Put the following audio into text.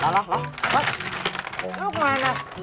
lah lah lah